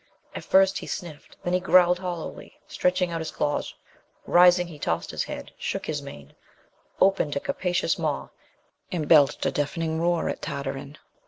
At first he sniffed; then he growled hollowly, stretching out his claws; rising, he tossed his head, shook his mane, opened a capacious maw, and belched a deafening roar at Tartarin.